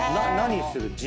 何する？